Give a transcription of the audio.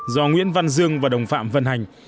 do nguyễn văn dương và đồng phạm vận hành